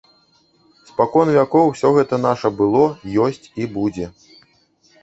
Спакон вякоў усё гэта наша было, ёсць і будзе.